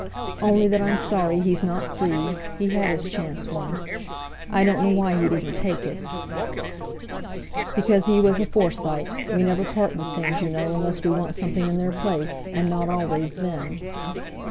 "Only that I'm sorry he's not free. He had his chance once. I don't know why he didn't take it." "Because he was a Forsyte; we never part with things, you know, unless we want something in their place; and not always then."